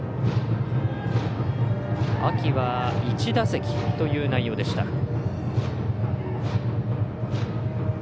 秋は、１打席という内容でした。